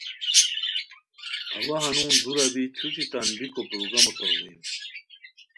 اوا ہنون دُورا بی چھوچی تان بیکو پروگرامو ساوزئیم